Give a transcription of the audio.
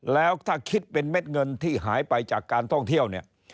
แล้วถ้าคิดเป็นเม็ดเงินที่หายไปจากการท่องเที่ยวเนี่ย